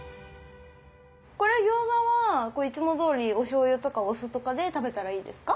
これ餃子はいつもどおりおしょうゆとかお酢とかで食べたらいいですか？